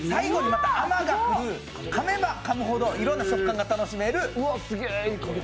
ぱ、甘いという、最後に甘がくる、かめばかむほどいろんな食感が楽しめる